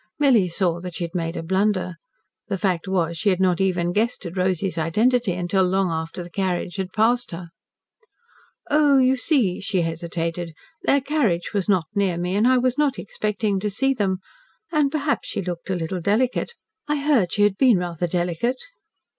Milly saw that she had made a blunder. The fact was she had not even guessed at Rosy's identity until long after the carriage had passed her. "Oh, you see," she hesitated, "their carriage was not near me, and I was not expecting to see them. And perhaps she looked a little delicate. I heard she had been rather delicate."